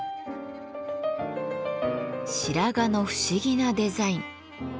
白髪の不思議なデザイン。